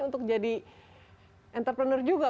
untuk jadi entrepreneur juga